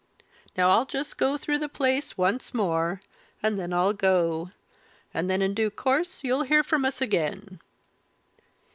Now I'll just go through the place once more, and then I'll go; and then in due course you'll hear from us again."